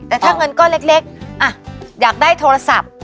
แต่ถ้าเงินก้อนเล็กอยากได้โทรศัพท์